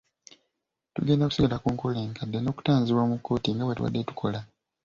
Tugenda kusigala ku nkola enkadde n’okutanzibwa mu kkooti nga bwe tubadde tukola.